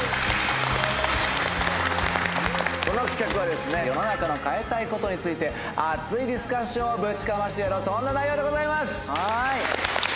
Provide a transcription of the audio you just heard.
この企画はですね、世の中の変えたいことについて、熱いディスカッションをぶちかましてやる、そんな内容でございます。